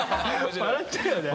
笑っちゃうよね。